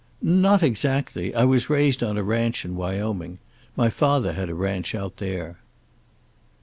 "Not exactly. I was raised on a ranch in Wyoming. My father had a ranch out there."